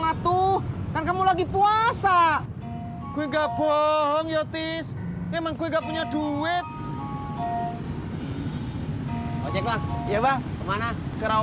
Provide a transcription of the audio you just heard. gitu kan kamu lagi puasa gue enggak bohong yotis emang gue gak punya duit ya bang kemana